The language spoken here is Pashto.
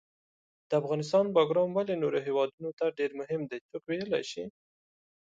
د افغانستان باګرام ولې نورو هیوادونو ته ډېر مهم ده، څوک ویلای شي؟